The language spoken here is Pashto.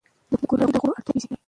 د کورنۍ د غړو اړتیاوې وپیژنئ.